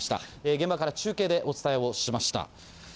現場から中継でお伝えをしました。